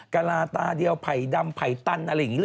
กระลาตาเดียวไผ่ดำไผ่ตันอะไรอย่างนี้